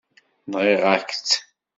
Nɣiɣ-ak-tt.